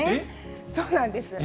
そうなんです。